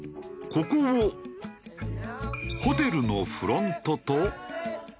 ここをホテルのフロントと。